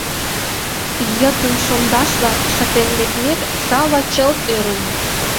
Йытын шондашла шытен лекмек, Сава чылт ӧрын.